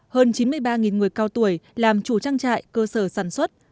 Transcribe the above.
hơn chín mươi ba người cao tuổi làm chủ trang trại cơ sở sản xuất